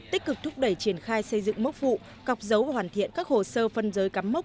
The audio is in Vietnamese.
tích cực thúc đẩy triển khai xây dựng mốc phụ cọc dấu và hoàn thiện các hồ sơ phân giới cắm mốc